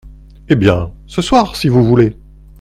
Eh ! bien, ce soir, si vous voulez…